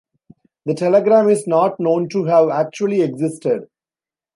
The telegram is not known to have actually existed.